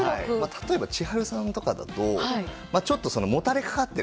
例えば千春さんとかだとちょっともたれかかってる感じになってますよね